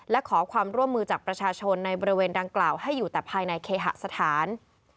และขอความร่วมมือจากประชาชนในบริเวณดังกล่าวให้อยู่แต่ภายในเคหสถาน